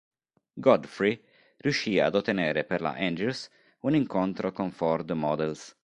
Godfrey riuscì ad ottenere per la Andrews un incontro con Ford Models.